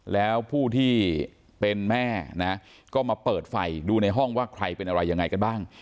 แล้วผู้ที่เป็นแม่นะก็มาเปิดไฟดูในห้องว่าใครเป็นอะไรยังไงกันบ้าง